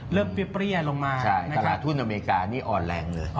เปรี้ยลงมาในตลาดทุนอเมริกานี่อ่อนแรงเลย